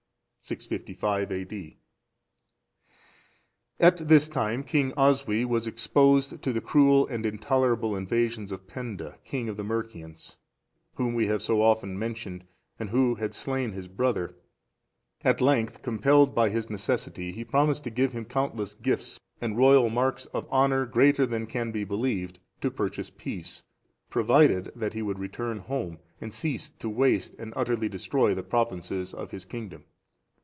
[655 A.D.] At this time, King Oswy was exposed to the cruel and intolerable invasions of Penda, king of the Mercians, whom we have so often mentioned, and who had slain his brother;(431) at length, compelled by his necessity, he promised to give him countless gifts and royal marks of honour greater than can be believed, to purchase peace; provided that he would return home, and cease to waste and utterly destroy the provinces of his kingdom.